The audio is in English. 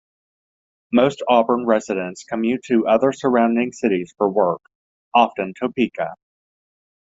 Most Auburn residents commute to other surrounding cities for work, often Topeka.